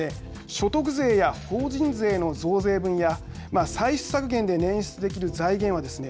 所得税や法人税の増税分や歳出削減で捻出できる財源はですね